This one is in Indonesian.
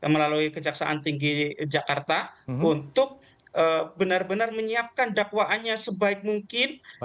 melalui kejaksaan tinggi jakarta untuk benar benar menyiapkan dakwaannya sebaik mungkin